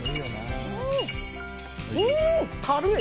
うーん、軽い！